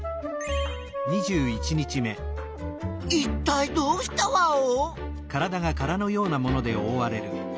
いったいどうしたワオ？